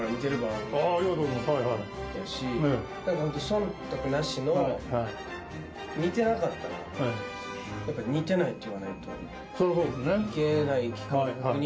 忖度なしの似てなかったら似てないって言わないといけない企画にもなっちゃうけど。